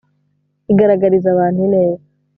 Igaragariza abantu ineza